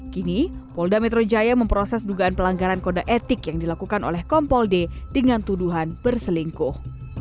kini polda metro jaya memproses dugaan pelanggaran kode etik yang dilakukan oleh kompol d dengan tuduhan berselingkuh